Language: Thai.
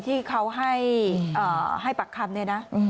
ที่เขาให้ปักคำเนี่ยนะ